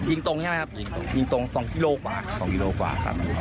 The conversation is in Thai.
ยิงตรงใช่ไหมครับยิงตรง๒กิโลกว่า